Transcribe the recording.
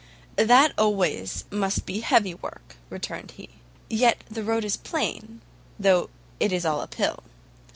"That always must be heavy work," returned he, "yet the road is plain, though it is all up hill.